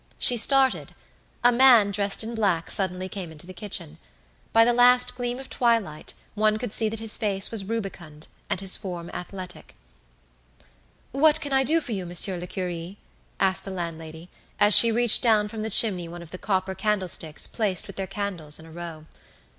She started. A man dressed in black suddenly came into the kitchen. By the last gleam of the twilight one could see that his face was rubicund and his form athletic. "What can I do for you, Monsieur le Curé?" asked the landlady, as she reached down from the chimney one of the copper candlesticks placed with their candles in a row.